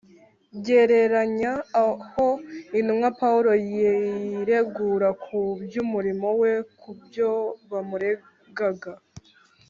Gereranya aho intumwa (Pawulo) yiregura ku by'umurimo we ku byo bamuregaga.